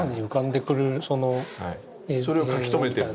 それを描き留めてる？